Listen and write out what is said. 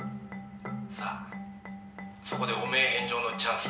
「さあそこで汚名返上のチャンスだ」